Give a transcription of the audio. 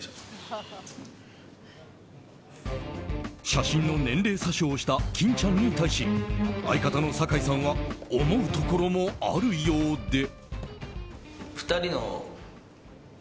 写真の年齢詐称をした金ちゃんに対し相方の坂井さんは思うところもあるようで。